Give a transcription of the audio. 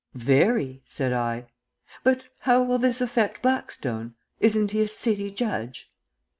"Very," said I. "But how will this affect Blackstone? Isn't he a City Judge?"